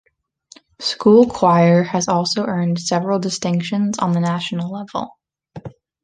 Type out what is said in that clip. School choir has also earned several distinctions on the national level.